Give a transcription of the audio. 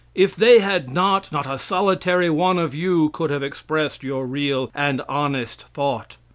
If they had not, not a solitary one of you could have expressed your real and honest thought.